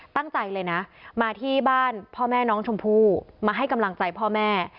ตั้งใจเลยนะมาที่บ้านพ่อแม่น้องชมพู่มาให้กำลังใจพ่อแม่